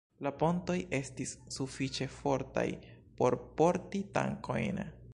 La pontoj estis sufiĉe fortaj por porti tankojn.